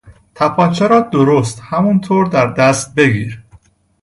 تپانچه را درست همینطور در دست بگیر.